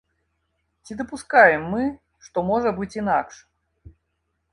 Ці дапускаем мы, што можа быць інакш?